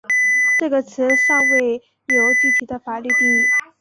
这个词尚未有具体的法律定义。